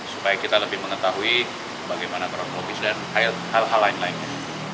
supaya kita lebih mengetahui bagaimana kronologis dan hal hal lain lainnya